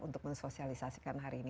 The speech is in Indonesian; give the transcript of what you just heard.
untuk mensosialisasikan hari ini